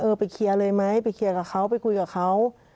ไปเคลียร์เลยไหมไปเคลียร์กับเขาไปคุยกับเขา